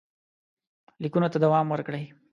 لیکونو ته دوام ورکړئ.